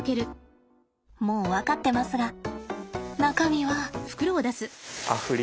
もう分かってますが中身は。